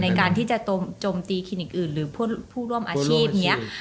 ในการที่จะโจมตีคลินิกอื่นหรือพันต่อผู้ร่วมอาชีพ